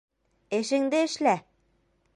Эшеңде эшлә!